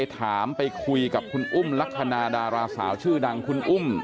ถามไปคุยกับคุณอุ้มลักษณะดาราสาวชื่อดังคุณอุ้ม